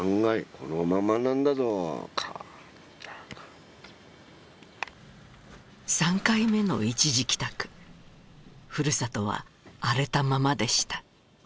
このままなんだぞ３回目の一時帰宅故郷は荒れたままでした